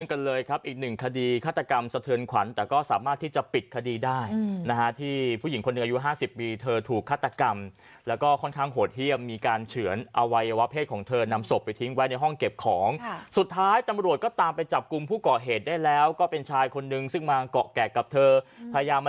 กันเลยครับอีกหนึ่งคดีฆาตกรรมสะเทือนขวัญแต่ก็สามารถที่จะปิดคดีได้นะฮะที่ผู้หญิงคนหนึ่งอายุ๕๐ปีเธอถูกฆาตกรรมแล้วก็ค่อนข้างโหดเยี่ยมมีการเฉือนอวัยวะเพศของเธอนำศพไปทิ้งไว้ในห้องเก็บของสุดท้ายตำรวจก็ตามไปจับกลุ่มผู้ก่อเหตุได้แล้วก็เป็นชายคนนึงซึ่งมาเกาะแกะกับเธอพยายามมา